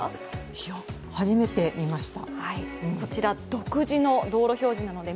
いや、初めて見ました。